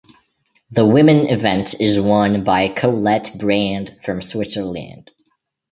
The women event is won by Colette Brand from Switzerland.